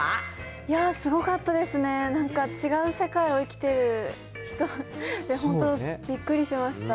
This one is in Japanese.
いや、すごかったですね、違う世界を生きてる人が、本当、びっくりしました。